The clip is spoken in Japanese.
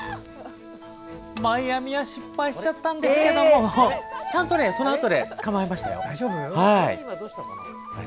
マイアミは失敗しちゃったんですけどもちゃんとそのあとで捕まえましたよ！